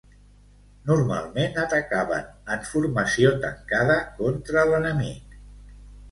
Normalment atacaven en formació tancada contra l'enemic.